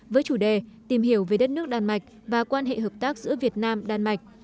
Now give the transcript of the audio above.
với chủ đề tìm hiểu về đất nước đan mạch và quan hệ hợp tác giữa việt nam đan mạch